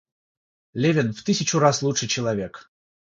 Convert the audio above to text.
Левин в тысячу раз лучше человек.